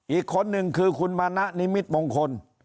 อีกคนนึงคือคุณมานะนิมิตมงคล